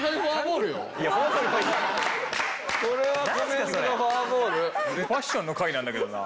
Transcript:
ファッションの回なんだけどな。